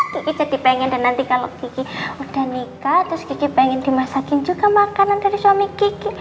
kiki jadi pengen dan nanti kalo kiki udah nikah terus kiki pengen dimasakin juga makanan dari suami kiki